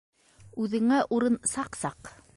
Үҙеңә урын саҡ-саҡ...